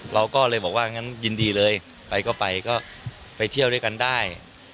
เราก็เลยบอกว่างั้นยินดีเลยไปก็ไปก็ไปเที่ยวด้วยกันได้